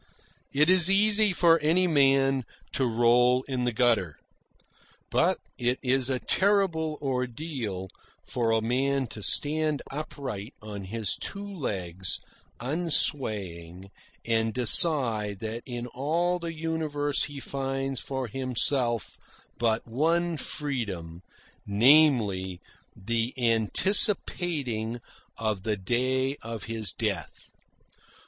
It is easy for any man to roll in the gutter. But it is a terrible ordeal for a man to stand upright on his two legs unswaying, and decide that in all the universe he finds for himself but one freedom namely, the anticipating of the day of his death.